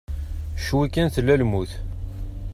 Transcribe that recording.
Cwi kan tella lmut.